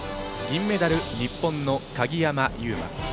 銀メダル、日本の鍵山優真。